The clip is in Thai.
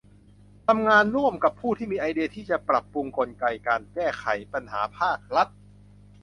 ทำงานร่วมกับผู้ที่มีไอเดียที่จะปรับปรุงกลไกการแก้ไขปัญหาภาครัฐ